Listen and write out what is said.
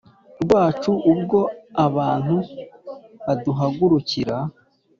Rwacu ubwo abantu baduhagurukira